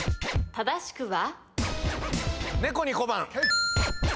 正しくは？